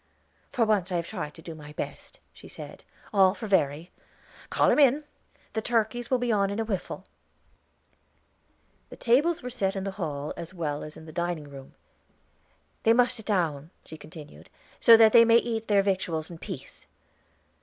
"For once I have tried to do my best," she said; "all for Verry. Call 'em in; the turkeys will be on in a whiffle." Tables were set in the hall, as well as in the dining room. "They must sit down," she continued, "so that they may eat their victuals in peace."